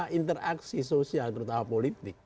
karena interaksi sosial terutama politik